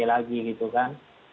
lagi gitu kan